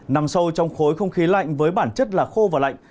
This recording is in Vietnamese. nằm sâu trong khối không khí lạnh với bản chất là khô và lạnh